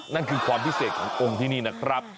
นั่นคือความพิเศษขององค์ที่นี่นะครับ